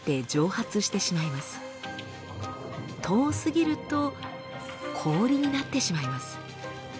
遠すぎると氷になってしまいます。